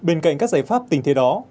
bên cạnh các giải pháp tình thế đó